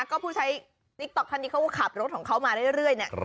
ก็ผู้ใช้นิคโต๊คทันที่เขาขับรถของเขามาเรื่อยนี่